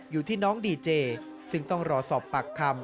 อยู่ที่น้องดีเจซึ่งต้องรอสอบปากคำ